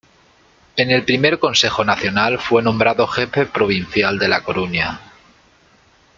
En el I Consejo Nacional fue nombrado jefe provincial de La Coruña.